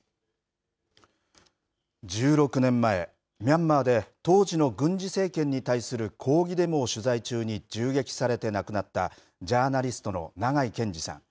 １６年前ミャンマーで当時の軍事政権に対する抗議デモを取材中に銃撃されて亡くなったジャーナリストの長井健司さん。